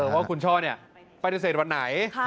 ว่าคุณช่อปฏิเสธวันไหน